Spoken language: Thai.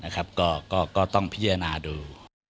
ก็ต้องพิจารณาดู